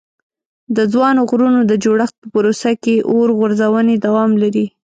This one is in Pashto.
د ځوانو غرونو د جوړښت په پروسه کې اور غورځونې دوام لري.